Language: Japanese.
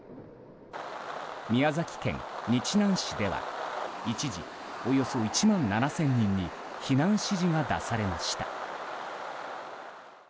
宮崎県日南市では一時、およそ１万７０００人に避難指示が出されました。